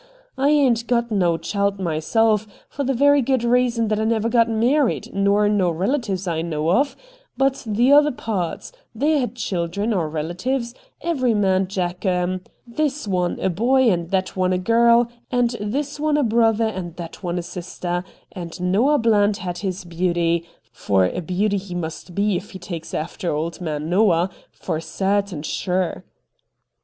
I ain't got no child myself, for the very good reason that I never got married, nor no relatives I know of ; but t'other pards, they had children or relatives, every man jack of 'em — this one a boy and that one a girl, and this one a brother and that one a sister, and Noah Bland A STRANGE STORY 69 had his beauty — for a beauty he must be if he takes after old man Xoah, for sartaiu sure.'